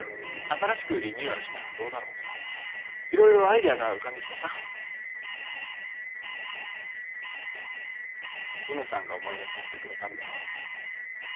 新しくリニューアルしたらどうだろうとか色々アイデアが浮かんできてさ陽芽さんが思い出させてくれたんだよ